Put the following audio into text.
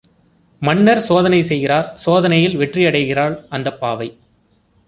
மன்னர் சோதனை செய்கிறார் சோதனையில் வெற்றியடைகிறாள் அந்தப்பாவை.